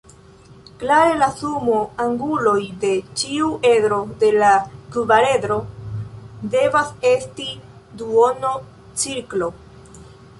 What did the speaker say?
Klare la sumo anguloj de ĉiu edro de la kvaredro devas esti duono-cirklo.